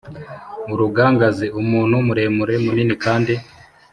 urugangazi: umuntu muremure munini kandi